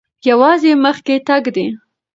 یوازې مخکې تګ دی.